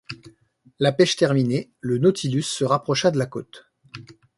La pêche terminée, le Nautilus se rapprocha de la côte.